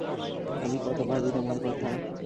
আমি কত ভাবি তোমার কথা।